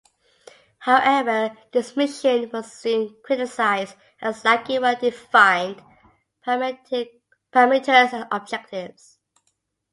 However, this mission was soon criticized as lacking well-defined parameters and objectives.